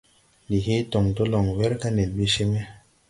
Ndi he dɔŋdɔlɔŋ wɛrga nen ɓi cee me.